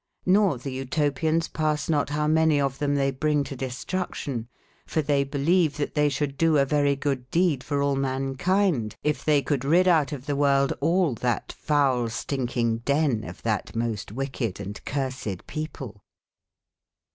JS^or tbe Cltopians passe not bow many of tbem tbey bring to destruction, for tbey beleve tbat tbey sbould doo a verye good deade for all man kind^if tbey could ridde out of tbe worlde all tbat fowle stinking denne of tbat most wick/ ed and cursed people.